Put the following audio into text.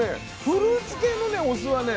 フルーツ系のお酢はね